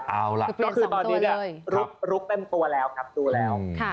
เอาล่ะตอนนี้รุกเป้นตัวแล้วครับดูแล้ว